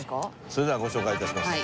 それではご紹介致します。